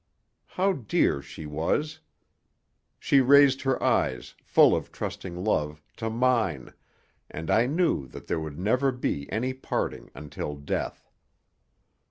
How dear she was! She raised her eyes, full of trusting love, to mine, and I knew that there would never be any parting until death.